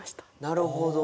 なるほど。